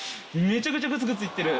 めちゃくちゃグツグツいってる。